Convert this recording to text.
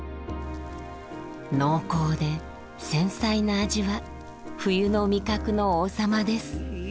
濃厚で繊細な味は冬の味覚の王様です。